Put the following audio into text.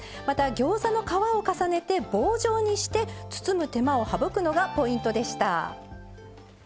またギョーザの皮を重ねて棒状にして包む手間を省くのがポイントでした。